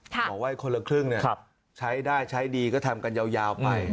บอกว่าคนละครึ่งใช้ได้ใช้ดีก็ทำกันยาวไป